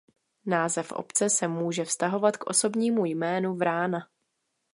Název obce se může vztahovat k osobnímu jménu Vrána.